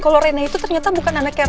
kalo rina itu ternyata bukan anaknya roy